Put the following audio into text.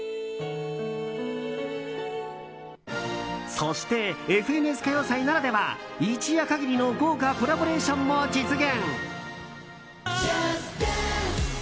そして「ＦＮＳ歌謡祭」ならでは一夜限りの豪華コラボレーションも実現。